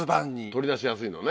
取り出しやすいのね。